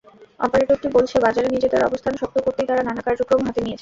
অপারেটরটি বলছে, বাজারে নিজেদের অবস্থান শক্ত করতেই তারা নানা কার্যক্রম হাতে নিয়েছে।